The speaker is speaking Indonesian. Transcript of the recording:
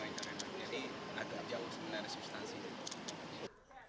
jadi agak jauh sebenarnya substansinya